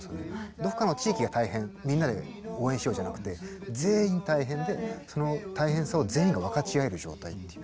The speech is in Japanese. どこかの地域が大変みんなで応援しようじゃなくて全員大変でその大変さを全員が分かち合える状態っていう。